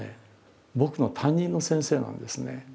僕の担任の先生がですね